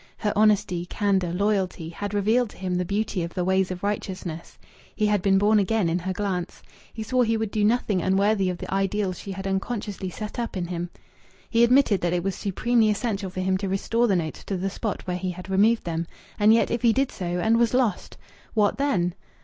Her honesty, candour, loyalty, had revealed to him the beauty of the ways of righteousness. He had been born again in her glance. He swore he would do nothing unworthy of the ideal she had unconsciously set up in him. He admitted that it was supremely essential for him to restore the notes to the spot whence he had removed them.... And yet if he did so, and was lost? What then?